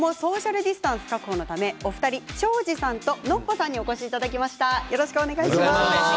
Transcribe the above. きょうもソーシャルディスタンス確保のためｓｈｏｊｉさんとＮＯＰＰＯさんにお越しいただきました。